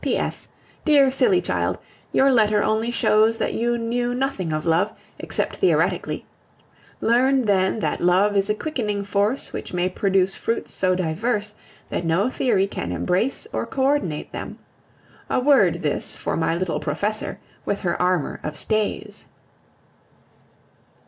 P. S. Dear, silly child, your letter only shows that you knew nothing of love, except theoretically. Learn then that love is a quickening force which may produce fruits so diverse that no theory can embrace or co ordinate them. A word this for my little Professor with her armor of stays.